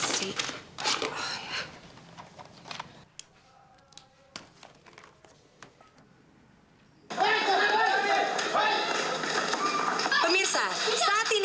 sembunyi kamu keliru